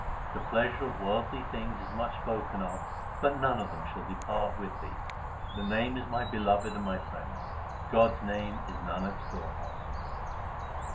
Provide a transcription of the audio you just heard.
The pleasure of worldly things is much spoken of, but none of them shall depart with thee. The Name is my beloved and my friend ; God s name is Nanak s storehouse.